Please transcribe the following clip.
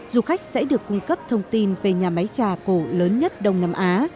du khách sẽ được cung cấp thông tin về nhà máy trà cổ lớn nhất đông nam á